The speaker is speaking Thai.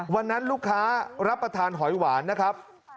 วันนั้นลูกค้ารับประทานหอยหวานนะครับ